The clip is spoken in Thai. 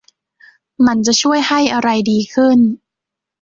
มันจะช่วยให้อะไรดีขึ้น